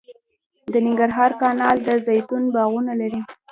د ننګرهار کانال د زیتون باغونه لري